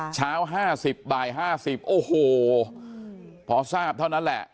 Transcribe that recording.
เช้า๕๐บ่าย๕๐โอ้โหพอทราบเท่านั้นแหละ